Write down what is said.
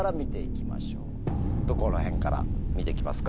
どこら辺から見ていきますか？